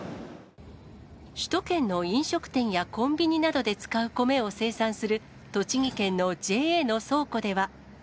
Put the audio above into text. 首都圏の飲食店やコンビニなどで使う米を生産する栃木県のＪＡの倉庫では。